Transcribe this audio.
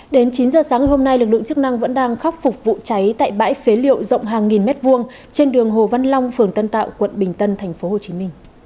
đến chín giờ sáng ngày hôm nay lực lượng chức năng vẫn đang khắc phục vụ cháy tại bãi phế liệu rộng hàng nghìn mét vuông trên đường hồ văn long phường tân tạo quận bình tân tp hcm